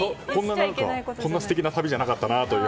こんな素敵な旅じゃなかったので。